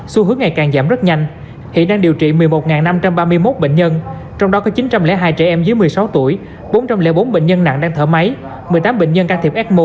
xu hướng ngày càng giảm rất nhanh hiện đang điều trị một mươi một năm trăm ba mươi một bệnh nhân trong đó có chín trăm linh hai trẻ em dưới một mươi sáu tuổi bốn trăm linh bốn bệnh nhân nặng đang thở máy một mươi tám bệnh nhân can thiệp f một